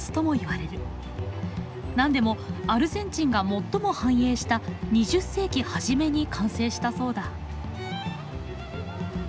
何でもアルゼンチンが最も繁栄した２０世紀初めに完成したそうだ。